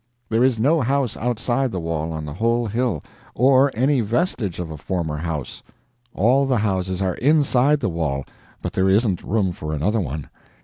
There is no house outside the wall on the whole hill, or any vestige of a former house; all the houses are inside the wall, but there isn't room for another one.